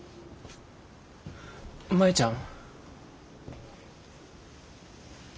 舞ちゃん。